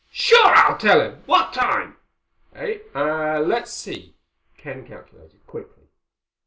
"Sure. I'll tell him. What time?" "Eh—let's see." Ken calculated quickly.